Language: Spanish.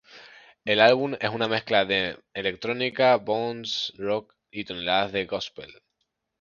El álbum es una mezcla de electrónica, bounce, rock y tonadas "gospel".